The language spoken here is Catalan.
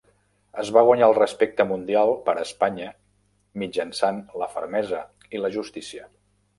Es va guanyar el respecte mundial per Espanya mitjançant la fermesa i la justícia.